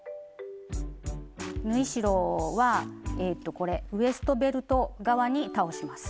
縫い代はえっとこれウエストベルト側に倒します。